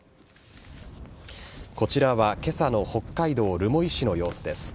こちらは、けさの北海道留萌市の様子です。